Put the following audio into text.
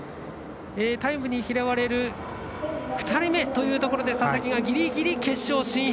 タイムに拾われる２人目というところで佐々木がぎりぎり決勝進出。